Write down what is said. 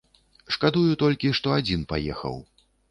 Шкадую толькі, што адзін паехаў.